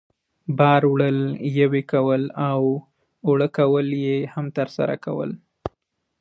بار وړل، یوې کول او اوړه کول یې هم ترسره کول.